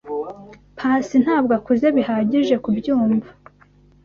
Pacy ntabwo akuze bihagije kubyumva.